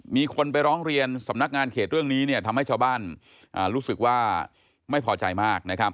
มีคนไปร้องเรียนสำนักงานเขตเรื่องนี้ทำให้ชาวบ้านรู้สึกว่าไม่พอใจมากนะครับ